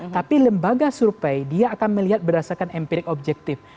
tapi lembaga survei dia akan melihat berdasarkan empirik objektif